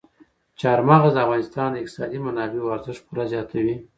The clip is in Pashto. چار مغز د افغانستان د اقتصادي منابعو ارزښت پوره زیاتوي.